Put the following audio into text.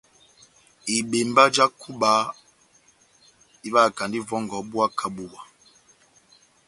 Ibembá já kuba ivahakand'ivòngò buwa kà buwa.